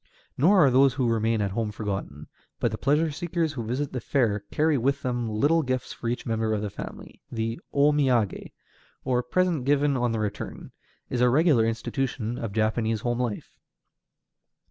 Nor are those who remain at home forgotten, but the pleasure seekers who visit the fair carry away with them little gifts for each member of the family, and the O miagé, or present given on the return, is a regular institution of Japanese home life.